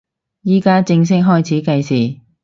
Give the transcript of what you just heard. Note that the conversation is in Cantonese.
依家正式開始計時